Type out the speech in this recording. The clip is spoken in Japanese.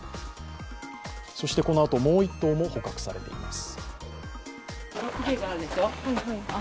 そしてこのあと、もう１頭も捕獲されています。